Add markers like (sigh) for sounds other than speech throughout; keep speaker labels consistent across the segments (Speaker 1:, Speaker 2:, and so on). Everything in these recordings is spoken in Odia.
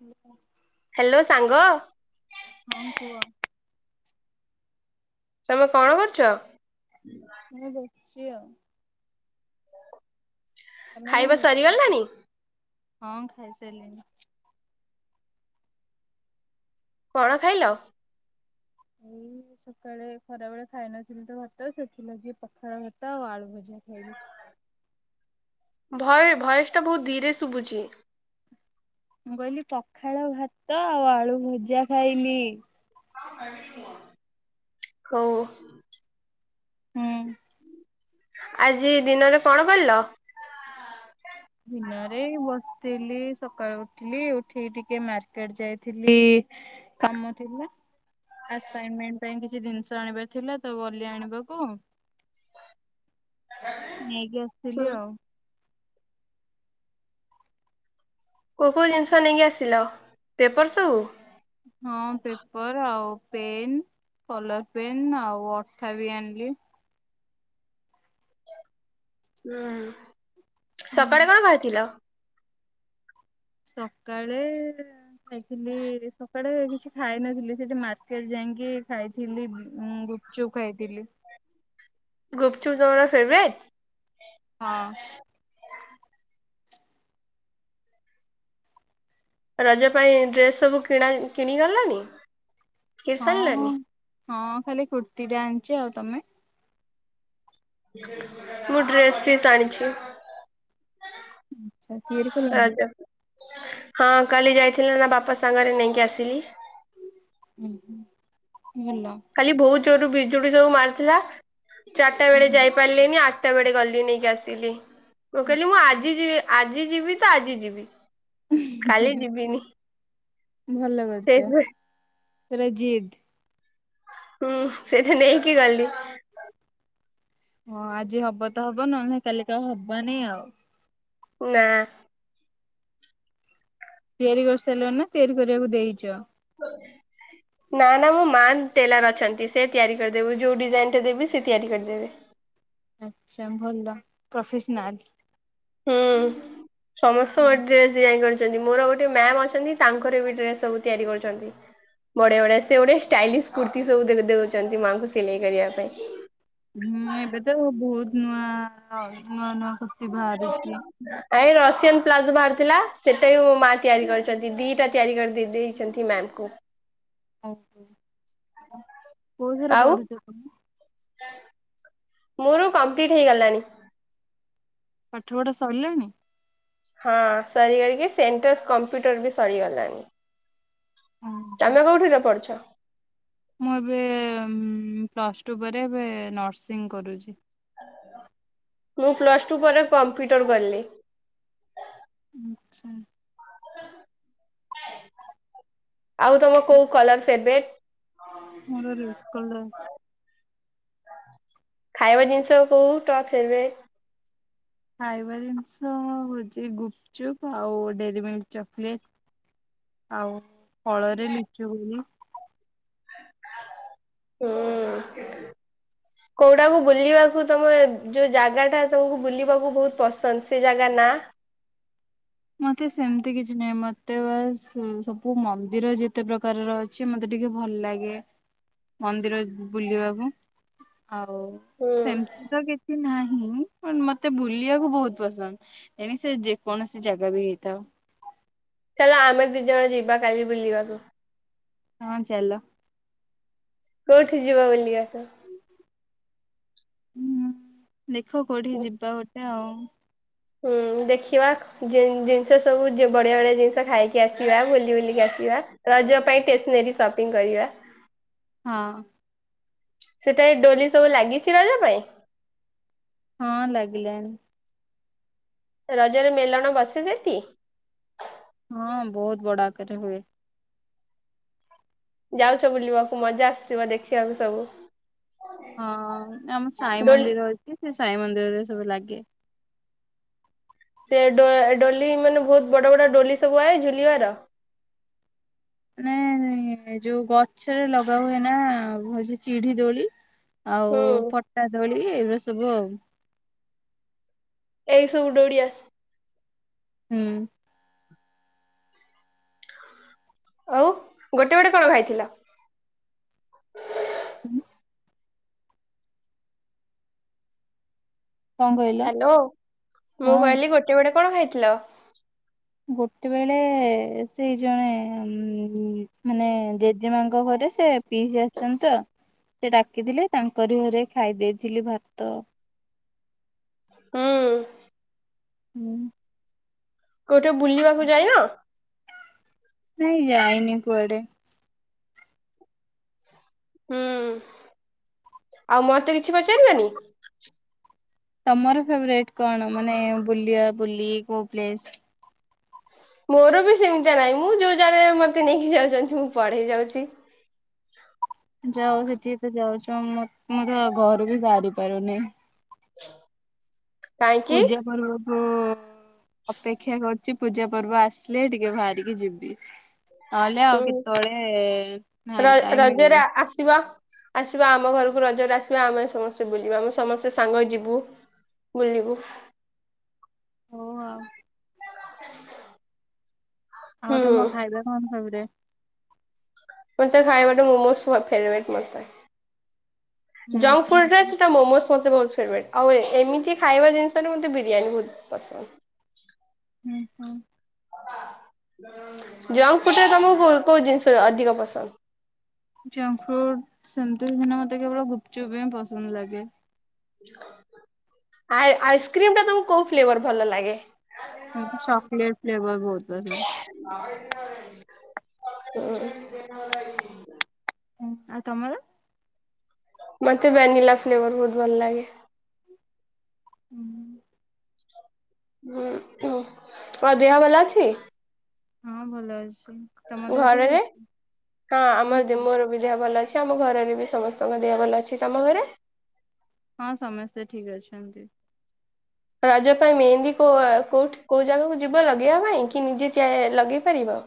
Speaker 1: ହୁଁ
Speaker 2: ହ୍ୟାଲୋ ସାଙ୍ଗ
Speaker 1: ହଁ କୁହ।
Speaker 2: ତମେ କଣ କରୁଛ?
Speaker 1: ମୁଁ ଦେଛି ଆଉ ତମେ କଣ
Speaker 2: ଖାଇବା
Speaker 1: କରୁଛ?
Speaker 2: ସରିଗଲା ନାଣି।
Speaker 1: ହଁ ଖାଇସାରିଲଣିି।
Speaker 2: କଣ ଖାଇଲ?
Speaker 1: ଏଇ ସକାଳେ ଖରାବେଳେ ଖାଇନଥିଲୁ ତ ଭାତ ସେଥିଲାଗି ପଖାଳ ଭତା ଆଉ ଆଳୁ ଭଜା ଖାଇଲି।
Speaker 2: ଭ ଭଏସ ଟା ବହୁତ ଧୀରେ ଶୁଭୁଛି।
Speaker 1: ମୁଁ କହିଲି ପଖାଳ ଭାତ ଆଉ ଆଳୁ ଭଜା ଖାଇଲି।
Speaker 2: ହୋଉ
Speaker 1: ହୁଁ
Speaker 2: ଆଜି ଦିନରେ କଣ କଲ
Speaker 1: ଦିନରେ ବସିଥିଲି ସକାଳୁ ଉଠିଲି ଉଠିକି ଟିକେ ମାର୍କେଟ ଯାଇଥିଲି କାମ ଥିଲା ଆସାଇନମେଣ୍ଟ ପାଇଁ କିଛି ଜିନିଷ ଆଣିବାର ଥିଲା ତ ଗଲି ଆଣିବାକୁ ଆଉ ନେଇକି ଆସିଥିଲି
Speaker 2: ହୁଁ
Speaker 1: ଆଉ।
Speaker 2: କୋଉ କୋଉ ଜିନିଷ ନେଇକି ଆସିଲ ପେପର୍ ସବୁ
Speaker 1: ହଁ ପେପର ଆଉ ପେନ୍ କଲର ପେନ୍ ଆଉ ଅଠା ବି ଆଣିଲି।
Speaker 2: ଉଁ।
Speaker 1: ହୁଁ
Speaker 2: ସକାଳେ କଣ ଖାଇଥିଲ?
Speaker 1: ସକାଳେ ଖାଇଥିଲି ସକାଳେ କିଛି ଖାଇନଥିଲି ସେଠି ମାର୍କେଟ ଯାଇଁକି ଖାଇଥିଲି ଗୁପଚୁପ ଖାଇଥିଲି।
Speaker 2: ଗୁପଚୁପ ତୁମର ଫେଭରାଇଟ?
Speaker 1: ହଁ।
Speaker 2: ରଜ ପାଇଁ ଡ୍ରେସ୍ ସବୁ କିଣା କିଣି ଗଲଣିି।
Speaker 1: ହଁ
Speaker 2: କିଣିସାରଲଣି?
Speaker 1: ହଁ ଖାଲି କୁର୍ତ୍ତିୀ ଟା ଆଣିଚି ଆଉ ତମେ?
Speaker 2: ମୁଁ ଡ୍ରେସ୍ ପିସ୍ ଆଣିଛି।
Speaker 1: ଆଛା ତିଆରି କଲଣି?
Speaker 2: ରଜ ହଁ କାଲି ଯାଇଥିଲେ ନା ବାପା ସାଙ୍ଗରେ ନେଇକି ଆସିଲି।
Speaker 1: ହୁଁ ହୁଁ। ହେଲା।
Speaker 2: ଚୋରୁ ବିଜୁଳି ଯୋଉ ମାରିଥିଲା। ଚାରିଟା ବେଳେ ଯାଇ ପାରିଲିନି ଆଟ୍ ଟା ବେଳେ ଗଲି ନେଇକି ଆସିଲି। ମୁଁ କଇଲି ମୁଁ ଆଜି ଯିବି ଆ ଆଜି ଯିବି ତ ଆଜି ଯିବି। କାଲି ଯିବିନି
Speaker 1: ଭଲ କରିଛ
Speaker 2: ସେଇଥିରେ
Speaker 1: ପୁରା ଜିଦ୍।
Speaker 2: ହୁଁ ସେଇଟା ନେଇକି ଗଲି।
Speaker 1: ହଁ ଆଜି ହବ ତ ହବ ନହେଲେ କାଲିକା ହବାନି ଆଉ।
Speaker 2: ନା।
Speaker 1: ତିଆରି କରିସାରିଲ ନା ତିଆରି କରିବାକୁ ଦେଇଚ?
Speaker 2: ନା ନା ମୋ ମା ଟେଲର ଅଛନ୍ତି। ସେ ତିଆରି କରିଦେବୁ ଯୋଉ ଡିଜାଇନ ଟା ଦେବି ସେ ତିଆରି କରିଦେବେ।
Speaker 1: ଆଛା ଭଲ ପ୍ରୋଫେସନାଲ।
Speaker 2: ହୁଁ ସମସ୍ତ ଗୋଟେ ଡ୍ରେସ୍ ଯାଇ କର ଚନ୍ତି ମୋର ଗୋଟେ ମ୍ୟାମ୍ ଅଛନ୍ତି ତାଙ୍କର ବି ଡ୍ରେସ ସବୁ ତିଆରି କରୁଛନ୍ତି ବଢିଆ ବଢିଆ ସେ ଗୋଟେ ଷ୍ଟାଇଲିସ୍ କୁର୍ତି ସବୁ ଦେ-ଦେଉଚନ୍ତି ମାଙ୍କୁ ସିଲେଇ କରିବା ପାଇଁ।
Speaker 1: ହୁଁ ଏବେ ତ ବହୁତ ନୂଆ ନୂଆ ନୂଆ କୁର୍ତ୍ତି ବାହାରୁଚି।
Speaker 2: ଏଇ ରସିଆନ ପ୍ଲାଜୋ ବାହାରିଥିଲା ସେଇଟା ବି ମୋ ମା ତିଆରି କରିଚନ୍ତି ଦିଟା ତିଆରି କରି-ଦେଇଚନ୍ତି ମ୍ୟାମ୍ ଙ୍କୁ।
Speaker 1: (unintelligible) କୋଉ ଥିରେ
Speaker 2: ଆଉ
Speaker 1: ପଢ଼ୁଚ କୁହନି।
Speaker 2: ମୋର କମ୍ପ୍ଲିଟ ହେଇଗଲାଣି
Speaker 1: ପାଠ ପଢା ସରିଲାଣି
Speaker 2: ହଁ ସରିଗାଇକି ସେଣ୍ଟର୍ କମ୍ପ୍ୟୁଟର ବି ସରିଗଲାଣି।
Speaker 1: ଓହୋ।
Speaker 2: ତମେ କୋଉଠିରେ ପଢୁଛ
Speaker 1: ମୁଁ ଏବେ ପ୍ଲସ୍ ଟୁ ପରେ ଏବେ ନର୍ସିଂ କରୁଚି।
Speaker 2: ମୁଁ ପ୍ଲସ୍ ଟୁ ପରେ କମ୍ପ୍ୟୁଟର କଲି
Speaker 1: ଆଛା
Speaker 2: ଆଉ ତମ କୋଉ କଲର ଫେବରଟ ଁ (unintelligible)
Speaker 1: ମର ଟକଳ (inaudible)
Speaker 2: ଖାଇବା ଜିନିଷ କୋଉ ଟପ ହେବେ
Speaker 1: ଫାଇଭ ହଉଛି ଗୁପଚୁପ୍ ଆଉ ଡେରି ମ ଚକୋଲେଟ ଆଉ ଫଳରେ ଲିଚୁ ବୋଲି
Speaker 2: ହଁ କୋଉଟାକୁ ବୁଲିବାକୁ ତମେ ଯୋଉ ଜାଗା ଟା ତମକୁ ବୁଲିବାକୁ ବହୁତ ପସନ୍ଦ ସେ ଜାଗା ନା
Speaker 1: ମତେ ସେମିତି କିଛି ନହିଁ ମତେ ଏତେ ବା ସବୁ ମନ୍ଦିର ଯେତେ ପ୍ରକାରର ଅଛି ମତେ ଟିକେ ଭଲ ଲାଗେ ମନ୍ଦିର ବୁଲିବାକୁ ଆଉ
Speaker 2: ହୁଁ
Speaker 1: ସେମିତି ତ କିଛି ନାହିଁ ହୁଁ ମତେ ବୁଲିବାକୁ ବହୁତ ପସନ୍ଦ ଏଣ ସେ ଯେକୌଣସି ଜାଗା ଜାଗା ବି ହେଇଥା
Speaker 2: ହେ ଆମେ ଦି ଜଣ ଯିବା କାଲି ବୁଲିବାକୁ (inaudible)
Speaker 1: ହଁ ଚାଲ
Speaker 2: କୋଉଠି ଯିବା ବଆ (inaudible)
Speaker 1: ହୁଁ। ଦେଖ କୋଉଠି ଯିବା ଗୋଏ ଆଉ
Speaker 2: ହଁ ଦେଖିବା ଜିନିଷ ସବୁ ବଢିଆ ବଢିଆ ଜିନିଷ ଖାଇକି ଆସିବା ବୁଲି ବୁଲିକି ଆସିବା ରଜ ପାଇଁ ଷ୍ଟେସନାରୀ ସପିଙ୍ଗ କରିବା
Speaker 1: ହଁ
Speaker 2: ସେଟା ଡୋଲି ସବୁ ଲାଗିଛି ରଜ ପାଇଁ
Speaker 1: ହଁ ଲଗିଲଣି
Speaker 2: ରଜରେ ମେଲଣ ବସେ ସେଠି
Speaker 1: ହଁ ବହୁତ ବଡାକରେ ହୁଏ
Speaker 2: ଯାଉଛ ବୁଲିବାକୁ ମଜା ଆସିଥିବ ଦେଖିବାକୁ ସବୁ
Speaker 1: ହଁ ଆମ ସାଇ
Speaker 2: ଡୋଲି
Speaker 1: ମନ୍ଦିର ଅଛି ସେ ସାଇ ମନ୍ଦିରରେ ସବୁ ଲାଗେ
Speaker 2: ସେଡ ଡୋଲି ମାନେ ବହୁତ ବଡ ବଡ ଡୋଲି ସବୁ ଆଏ ଝୁଲିବାର
Speaker 1: ମାନେ ଯୋଉ ଗଛ, ଗଛରେ ଲଗା ହୁଏ ନା ହଉଛି ଚିଢି ଦୋଳି ଆଉ
Speaker 2: ହୁଁ।
Speaker 1: ପଟା ଦୋଳି ଏଇଗଳି ସବୁ ଆଉ
Speaker 2: ଏଇସବୁଡୋଡିଆସ
Speaker 1: ହୁଁ
Speaker 2: ହଉ ଗୋଟେ ବଟେ କଣ ଖାଇଥିଲା
Speaker 1: କଣ କହିଲ
Speaker 2: ହ୍ୟାଲୋ ମୁଁ
Speaker 1: ହଁ।
Speaker 2: କହିଲି ଗୋଟେ ବଡେ କଣ ଖାଇଥିଲ ଥିଲ
Speaker 1: ଗୋଟେ ବେଳେ ସେଇ ଜଣେ ମାନେ ଜେଜେମାଙ୍କ ଘରେ ସେ ପିଇସି ଆସିଛନ୍ତି ତ ସେ ଡାକିଥିଲେ ତାଙ୍କରି ଘରେ ଖାଇ ଦେଇେଇଥିଲି ଭାତ
Speaker 2: ହଁ
Speaker 1: ହୁଁ
Speaker 2: କୋଉଠି ବୁଲିବାକୁ ଯାଇଏନା
Speaker 1: ଯାଇନି କୁଆଡେ
Speaker 2: ହୁଁ ଆଉ ମତେ କିଛି ପଚାରିବାନି
Speaker 1: ତମର ଫେଟ କଣ ମାନେ ବୁ ବୁଲି କୋଉ
Speaker 2: ମୋର ବି ସେମିତି ନାହିଁ ମୁଁ ଯୋଉ ଜଣେ ମତେ ନେଇକି ଯାଉଛନ୍ତି ମୁଁ ପଢେଇ ଯାଉଛି
Speaker 1: ଯାଉ ସେଥିି ତ ଯାଉଛ ମୁଁ ତ ଘରୁ ବି ସାାରି ପାରୁନି
Speaker 2: (inaudible)
Speaker 1: ପୂଜା ପର୍ ମୁଁ ଅପେକ୍ଷା କରୁଛି ପୂଜା ପର୍ବ ଆସିଲେ ଟିକେ ବାହାରିକି ଯିବି ଆଲେ ଆଉ କି ଥୋଳେ
Speaker 2: ର
Speaker 1: ନାାଇ ଟାଇମ
Speaker 2: ରଜରେ
Speaker 1: ମିଳେନ
Speaker 2: ଆସିବା ଆସିବା ଆମ ଘରକୁ ରଜରେ ଆସିବା ଆମେ ସମସ୍ତେ ବୁଲିବା ଆମେ ସମସ୍ତେ ସାଙ୍ଗ ଯିବୁ ବୁଲିବୁ
Speaker 1: ଓହଁ
Speaker 2: ସେ
Speaker 1: ଆଉ ତମ ଖାଇଲେ କଣ ଖବରେ
Speaker 2: ମତେ ଖାଇବାଟ ମୋମୋଜ ଫେବରେଟ ମତ
Speaker 1: ହୁଁ
Speaker 2: ଜଙ୍କ ଫୁଡ
Speaker 1: ହୁଁ
Speaker 2: ରେ ସେଟା ମୋମସ୍ ମତେ ବହୁ ଫେଟ ଆଉ ଏମିତି ଖାଇବା ଜିନିଷ ମତେ ବିରିୟାନୀ ବହୁତ ପସନ୍ଦ
Speaker 1: ହୁଁ ହୁଁ
Speaker 2: ଜଙ୍କଙ୍କ ଫୁଡରେ ତମକୁୋଉ କୋଉ ଜିନିଷ ଅଧିକ ପସନ୍ଦ
Speaker 1: ଜଙ୍କ ଫ୍ରୁଟ ସେମତିିନ ମତେ କେବଳ ଚୁବେ ପସନ୍ଦ ଲାଗେ
Speaker 2: ଆ ଆଇସ୍କ୍ରିମ ଟା ତମକୁ କୋଉ ଫ୍ଲେର ଭଲ ଲାଗେ
Speaker 1: ଚକଲେଟ ଫ୍ଲେବର ବହୁତ ପସନ୍ଦ
Speaker 2: (unintelligible)
Speaker 1: ହଁ ଆଉ ତମର
Speaker 2: ମତେ ଭାନିଲା ଫ୍ଲେଭର ବହୁତ ଭଲ ଲାଗେ
Speaker 1: ହୁଁ
Speaker 2: ହଁ ଆ ଦେହ ଭଲା ଅଛି
Speaker 1: ହଁ ଭଲ ଅଛି ତମ ଦେହ ଠିକ୍
Speaker 2: ଘରରେ
Speaker 1: ଅଛି?
Speaker 2: ହଁ ଆମର ଦେ
Speaker 1: ଠିକ୍। ଅଛି।
Speaker 2: ମୋର ବି ଦେହ ଭଲ ଅଛି ଆମ ଘରରେ ବି ସମସ୍ତଙ୍କ ଦେହ ଭଲ ଅଛି ତମ ଘରେ
Speaker 1: ହଁ ସମସ୍ତେ ଠିକ ଅଛନ୍ତି
Speaker 2: ରଜ ପାଇଁ ମେହେନ୍ଦୀ କୋଉଠି କୋଉ ଜାଗାକୁ ଯିବ ଲଗେଇବା ପାଇଁ କି ନିଜେ ଲଗେଇ ପାରିବ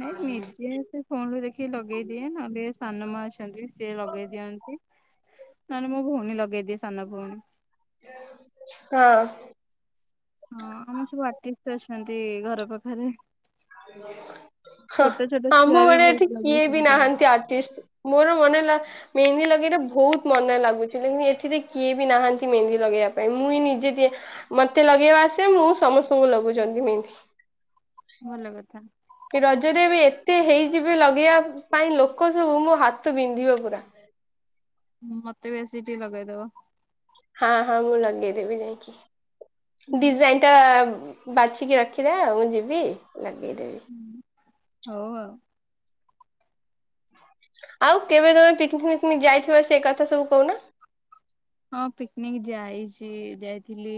Speaker 1: ନାଇଁ ନିଜେ ସେ ଫୋନରୁ ଦେଖିକି ଲଗେଇ ଦିଏ ନହେଲେ ସାନ ମା ଅଛନ୍ତି ସିଏ ଲଗେଇ ଦିଅନ୍ତି ନ ହେନେ ମୋ ଭଉଣୀ ଲଗେଇଦିଏ ସାନ ଭଉଣୀ।
Speaker 2: ହଁ।
Speaker 1: ହଁ ଆମର ସବୁ ଆର୍ଟି ଅଛନ୍ତି ଘର ପାଖରେ।
Speaker 2: ହ
Speaker 1: ଛୋଟ ଛୋଟ ଛୁଆ
Speaker 2: ଆମ
Speaker 1: ବି
Speaker 2: ଘରେ
Speaker 1: ବହୁତ
Speaker 2: ଏଠି
Speaker 1: ଲଗେଇ
Speaker 2: କିଏ ବି
Speaker 1: ଶିଖିଛନ୍ତି।
Speaker 2: ନାହାନ୍ତି ଆର୍ଟିଷ୍ଟ ମୋର ମନେ ହେଲା ମେହେନ୍ଦୀ ଲଗେଇଲେ ବହୁତ ମନ ଲାଗୁଚି ଏଥିରେ କିଏ ବି ନାହାନ୍ତି ମେହେନ୍ଦୀ ଲଗେଇବା ପାଇଁ ମୁଁ ହିଁ ନିଜେ ମୋତେ ଲଗେଇବା ଆସେ ମୁଁ ସମସ୍ତଙ୍କୁ ଲଗଉଛନ୍ତି ମେହେନ୍ଦୀ।
Speaker 1: ଭଲ କଥା।
Speaker 2: ରଜରେ ବି ଏତେ ହେଇଯିବେ ଲଗେଇବା ପାଇଁ ଲୋକ ସବୁ ମୋ ହାତ ବିନ୍ଧିବ ପୁରା।
Speaker 1: ମୋତେ ବେଶୀ ଟିକେ ଲଗେଇଦବ।
Speaker 2: ହଁ ହଁ ମୁଁ ଲଗେଇଦେବି ଯାଇକି ଡିଜାଇନ ଟା ବାଛିକି ରଖିଥାଅ ମୁଁ ଯିବି। ଲଗେ଼ଇ ଦେବି।
Speaker 1: ହଉ ଆଉ
Speaker 2: ଆଉ କେବେ ତମେ ପିକନିକ ଫିକନିକ ଯାଇଥିବ ସେ କଥା ସବୁ କହୁନ।
Speaker 1: ହଁ ପିକନିକ ଯାଇଚି ଯାଇଥିଲି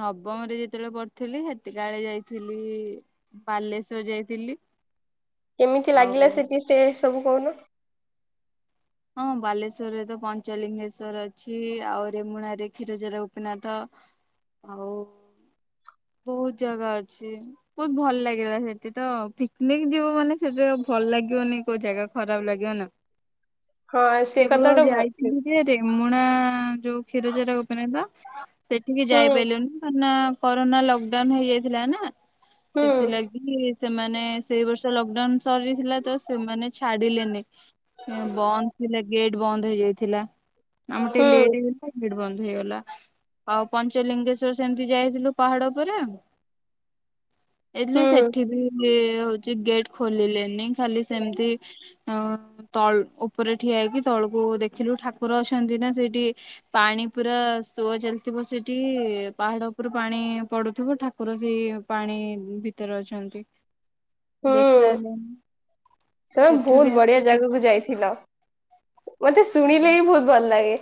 Speaker 1: ନବମରେ ଯେତେବେଳେ ପଢ଼ୁଥିଲି ସେତିକା ବେଳେ ଯାଇଥିଲି ବାଲେଶ୍ଵର ଯାଇଥିଲି।
Speaker 2: କେମିତି ଲାଗିଲା
Speaker 1: ଆଉ
Speaker 2: ସେଠି ସେ ସବୁ କହୁନ।
Speaker 1: ହଁ ବାଲେଶ୍ଵରରେ ତ ପଞ୍ଚଲିଙ୍ଗେଶ୍ଵର ଅଛି ଆଉ ରେମୁଣାରେ କ୍ଷୀରଚୋରା ଗୋପୀନାଥ ଆଉ ବହୁତ ଜାଗା ଅଛି ବହୁତ ଭଲ ଲାଗିଲା ସେଠି ତ ପିକନିକ ଯିବ ମାନେ ସେଠି ଭଲ ଲାଗିବନି କଉ ଜାଗା ଖରାପ ଲାଗିବ ନା।
Speaker 2: ହଁ ସେ
Speaker 1: କେବଳ
Speaker 2: କଥାଟା ଭଲ ଠିକ।
Speaker 1: ଯାଇଥିଲି ଯେ ରେମୁଣା ଯୋଉ କ୍ଷୀରଚାର ଗୋପୀନାଥ ସେଠିକି
Speaker 2: ହୁଁ
Speaker 1: ଯାଇପାଇଲୁନି କାହିଁ କି ନା କରୋନା ଲକଡାଉନ ହେଇଯାଇଥିଲା ନା।
Speaker 2: ହୁଁ
Speaker 1: ସେଥିଲାଗି କି ସେମାନେ ସେଇ ବର୍ଷ ଲକଡାଉନ ସରିଥିଲା ତ ସେମାନେ ଛାଡିଲେନି। ବନ୍ଦ ଥିଲା ଗେଟ ବନ୍ଦ ହେଇଯାଇଥିଲା। ଆମ ଟିକେ ଲେଟ
Speaker 2: ହୁଁ
Speaker 1: ହୋଇଯାଇଥିଲା ଗେଟ ବନ୍ଦ ହେଇଗଲା ଆଉ ପଞ୍ଚଲିଙ୍ଗେଶ୍ଵର ସେମିତି ଯାଇଥିଲୁ ପାହାଡ ଉପରେ ଯାଇଥିଲୁ
Speaker 2: ହୁଁ
Speaker 1: ସେଠି ବି ଲେ ହଉଛି ଗେଟ ଖୋଲିଲେନି ଖାଲି ସେମିତି ତଳ ଉଁ ଓ ଉପରେ ଠିଆ ହେଇକି ତଳକୁ ଦେଖିଲୁ ଠାକୁର ଅଛନ୍ତି ନା ସେଇଠି ପାଣି ପୁରା ସୁଅ ଚାଲିଥିବ ସେଇଠି ପାହାଡ ଉପରୁ ପାଣି ପଡୁଥୁବ ଠାକୁର ସେଇ ପାଣି ଭିତରେ ଅଛନ୍ତି।
Speaker 2: ହୁଁ
Speaker 1: ଦେଖାଗଲା।
Speaker 2: ତମେ ବହୁତ ବଢିଆ ଜାଗାକୁ ଯାଇଥିଲ। ମତେ ଶୁଣିଲେ ବିି ବହୁତ ଭଲ ଲାଗେ।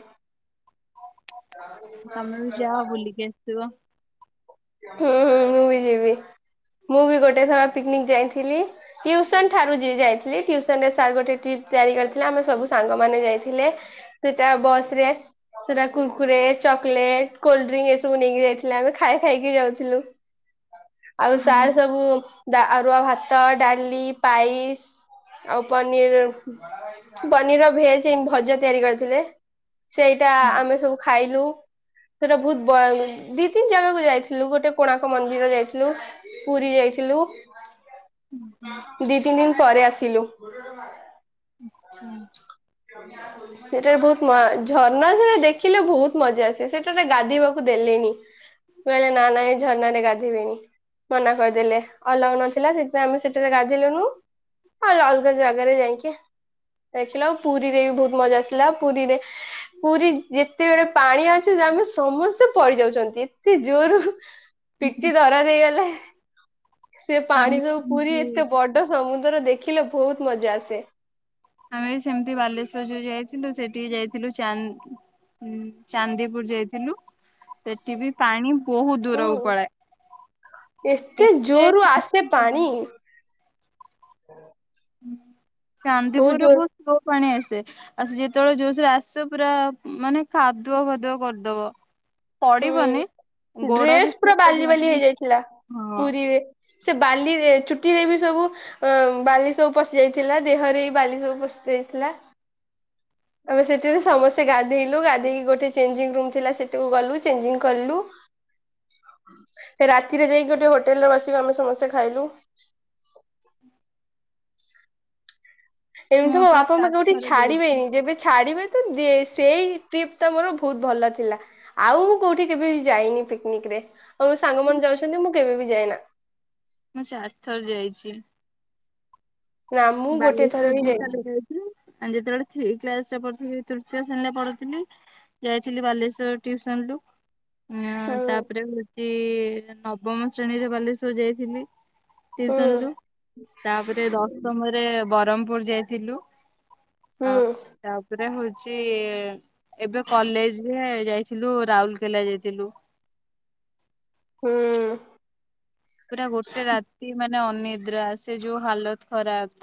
Speaker 1: ତମେ ବି ଯାଅ ବୁଲିକି ଆସିବ।
Speaker 2: ହୁଁ ହୁଁ ହୁଁ ମୁଁ ବି ଯିବି ମୁଁ ବି ଗୋଟେ ଥର ପିକନିକ ଯାଇଥିଲି। ଟିଉସନ ଠାରୁ ଯ ଯାଇଥିଲି ଟିଉସନ ରେ ସାର୍ ଗୋଟେ ଟ୍ରିପ୍ ତିଆରି କରିଥିଲେ ଆମେ ସବୁ ସାଙ୍ଗ ମାନ ଯାଇଥିଲେ। ସେଟା ବସ ରେ ସେଟା କୁର୍କୁରେ ଚକୋଲେଟ କୋଲ୍ଡ ଡ୍ରିଙ୍କ ଏସବୁ ନେଇକି ଯାଇଥିଲେ ଆମେ ଖାଇ ଖାଇକି ଯାଉଥିଲୁ। ଆଉ ସାର୍ ସବୁ ଅରୁଆ ଭାତ ଡାଲି ପାଇସ୍। ଆଉ ପନିର ପନିର ଭେଜ ଏ ଭଜା ତିଆରି କରିଥିଲେ। ସେଇଟା
Speaker 1: ଆଚ୍ଛା।
Speaker 2: ଆମେ ସବୁ ଖାଇଲୁ। ସେଟା ବୋହୁତ ବୟ ଦି ତିନି ଜାଗାକୁ ଯାଇ ଯାଇଥିଲୁ ଗୋଟେ କୋଣାର୍କ ମନ୍ଦିର ଯାଇଥିଲୁ ପୁରୀ ଯାଇଥିଲୁ। ଦି ତିନି ଦିନ ପରେ ଆସ ହେଲୋ।
Speaker 1: ଆଚ୍ଛା।
Speaker 2: ସେଟାରେ ବୋହୁତ ମ ଝର୍ଣା ଝା ଦେଖିଲେ ଭୋଉତ ମଜା ଆସେ ସେଟାରେ ଗାଧୋଇବାକୁ ଦେଲେନି। କହିଲେ ନାଁ ନାଁ ଏ ଝରନାରେ ଗାଧେଇବେନି ମନା କରିଦେଲେ ଅଲଗା ନଥିଲା ସେଥିପାଇଁ ଆମେ ସେଠାରେ ଗାଧେଇଲୁନୁ ଅଲ୍ ଅଲଗା ଜାଗାରେ ଯାଇକି ଦେଖିଲଉଁ ଆଉ ପୁରୀରେ ବି ଭୋଉତ ମଜା ଆସିଥିଲା। ପୁରୀରେ ପୁରୀ ଯେତେବେଳେ ପାଣି ଅଛି ଆମେ ସମସ୍ତେ ପଡିଯାଉଚନ୍ତି। ତେ ଜୋରୁ ପିଟି ଧରା ଦେଇଗଲେ ସେ
Speaker 1: ଆମେ
Speaker 2: ପାଣି ସବୁ ପୁରୀ
Speaker 1: ସେମିତି
Speaker 2: ଏତେ ବଡ ସମୁ ଥରୁ ଦେଖିଲେ ଭୋଉତ ମଜା ଆସେ।
Speaker 1: ଆମେ ସେମତି ବାଲେଶ୍ଵର ଯୋଉ ଯାଇଥିଲୁ ସେଠିକି ଯାଇଥିଲୁ ଚାନ୍ ଉଁ ଚାନ୍ଦିପୁର ଯାଇଥିଲୁ ସେଠି ବି ପାଣି ବହୁତ ଦୂରକୁ
Speaker 2: ହୁଁ
Speaker 1: ପଳାଏ
Speaker 2: ଏତେ
Speaker 1: କେତେ
Speaker 2: ଜୋରୁ ଆସେ ପାଣି! ହଁ
Speaker 1: ଚାନ୍ଦିପୁରରେ ବୋହୁତ ସ୍ଲୋ ପାଣି ଆ ଆ ସିଏ ଯେତୋଳେ ଜୋସରେ ଆସିବ ପୁରା ମାନେ କାଦୁଅ ଫାଦୁଅ କରିଦବ। ପଡିବନି
Speaker 2: ହୁଁ
Speaker 1: ଗୋଡ ବି
Speaker 2: ଡ୍ରେସ୍ ପୁରା
Speaker 1: ସ୍ଲିପ
Speaker 2: ବାଲି ବାଲି
Speaker 1: କରିବନି
Speaker 2: ହେଇଯାଇଥିଲା
Speaker 1: ହଁ
Speaker 2: ପୁରୀରେ ସେ ବାଲିରେ ଚୁ ଟି ଏଇ ବି ସବୁ ଅ ବାଲି ସବୁ ପଶି ଯାଇଥିଲା ଦେହରେ ବି ବାଲି ସବୁ ପଶି ଯାଇଥିଲା। ଆମେ ସେଥିରେ ସମସ୍ତେ ଗାଧେଇଲୁ ଗାଧେଇକି ଗୋଟେ ଚେଞ୍ଜିଙ୍ଗ ରୁମ୍ ଥିଲା ସେଠିକୁ ଗଲୁ‌। ‍‌‍‌ ଚେଞ୍ଜିଙ୍ଗ କଲୁ। ରାତିରେ ଯାଇକି ଗୋଟେ ହଟେଲରେ ବସିକି ଆମେ ସମସ୍ତେ ଖାଇନୁ।
Speaker 1: ହ
Speaker 2: ଏମତି ମୋ
Speaker 1: ତ
Speaker 2: ବାପା ମତେ କୋଉଠି
Speaker 1: ଚାରିଥର ଯାଇଛି
Speaker 2: ଛାଡିବେନି ଯେବେ ଛାଡିବେ ତୁ ଦେ ସେଇ ଟ୍ରିପ ତ ମୋର ଭୋଉତ ଭଲ ଥିଲା ଆଉ ମୁଁ କୋଉଠି କେବେ ବି ଯାଇନି ପିକନିକରେ ଆଉ ମୋ ସାଙ୍ଗମାନେ ଯାଉଛନ୍ତି ମୁଁ କେବେ ବି ଯାଇନା।
Speaker 1: ମୁଁ ଚାର ଥର ଯାଇଚି।
Speaker 2: ନା ମୁଁ ଗୋଟେ
Speaker 1: ବାଲେଶ୍ଵର
Speaker 2: ହିଁ
Speaker 1: ଦି
Speaker 2: ଯାଇଛି।
Speaker 1: ଥର ଯାଇଚି ଆଉ ଯେତୋଳେ ଥି କ୍ଲାସରେ ପଢ଼ୁଥିଲି ତୃତୀୟ ଶ୍ରେଣୀରେ ପଢୁଥିଲି ଯାଇଥିଲି ବାଲେଶ୍ଵର ଟିଉସନରୁ। ଉଁଅ
Speaker 2: ହୁଁ
Speaker 1: ତାପରେ ଏ ନବମ ଶ୍ରେଣୀରେ ବାଲେଶ୍ଵର ଯାଇଥିଲି। ଟିଉସନ
Speaker 2: ଉଁ।
Speaker 1: ଏ ବରମପୁର ଯାଇଥିଲୁ।
Speaker 2: ହୁଁ
Speaker 1: ଆଉ ତାପରେ ହୋଉ ଚି ଏବେ କଲେଜରେ ଯାଇଥିଲୁ ରାଉଲକେଲା ଯାଇଥିଲୁ।
Speaker 2: ହୁଁ।
Speaker 1: ପୁରା ଗୋଟେ ରାତି ମା ନେ ଅନିଦ୍ରା ସେ ଯୋଉ ହାଲତ ଖରାପ।